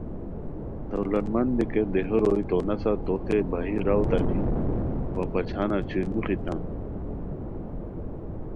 دو لت مند بیکن دیہو روئے تو نسہ توتے بھئی راؤ او تانی وا پچھانہ چھوئی موخی تان